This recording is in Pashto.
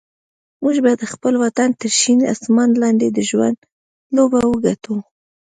موږ به د خپل وطن تر شین اسمان لاندې د ژوند لوبه وګټو.